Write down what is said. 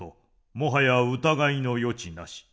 もはや疑いの余地なし。